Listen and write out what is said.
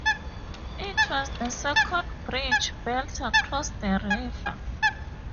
It was the second bridge built across the river.